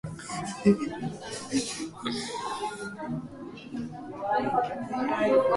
弦楽器にはバイオリンとビオラ、チェロ、コントラバスがある。